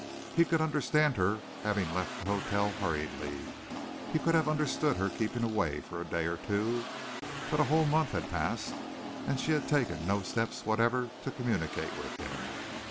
He could understand her having left the hotel hurriedly. He could have understood her keeping away for a day or two. But a whole month had passed, and she had taken no steps whatever to communicate with him.